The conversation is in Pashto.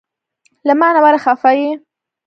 له مانه ولې خفه یی؟